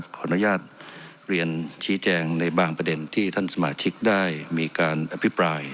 ขออนุญาตเรียนชี้แจงในบางประเด็นที่ท่านสมาชิกได้มีการอภิปราย